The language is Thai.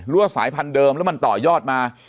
ว่าสายพันธุเดิมแล้วมันต่อยอดมา